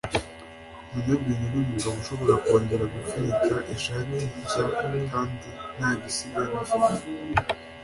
umunyabwenge numugabo ushobora kongera gupfunyika ishati nshya kandi ntagisigara afite.